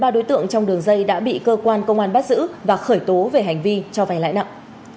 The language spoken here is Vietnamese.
một mươi ba đối tượng trong đường dây đã bị cơ quan công an bắt giữ và khởi tố về hành vi cho vay lãnh nặng